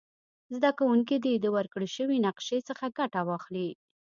زده کوونکي دې د ورکړ شوې نقشي څخه ګټه واخلي.